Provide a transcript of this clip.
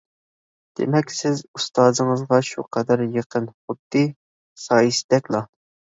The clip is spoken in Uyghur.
دېمەك، سىز ئۇستازىڭىزغا شۇ قەدەر يېقىن، خۇددى سايىسىدەكلا.